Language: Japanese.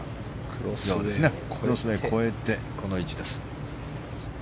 クロスウェーを越えてこの位置です。